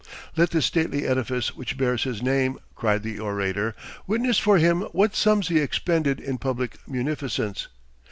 "Let this stately edifice which bears his name," cried the orator, "witness for him what sums he expended in public munificence.